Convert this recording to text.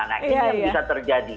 nah ini yang bisa terjadi